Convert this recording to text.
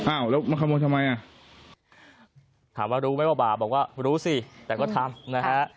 อ้าวแล้วมาขโมยทำไมอ่ะถามว่ารู้ไหมว่าบ่าบอกว่ารู้สิแต่ก็ทำนะฮะ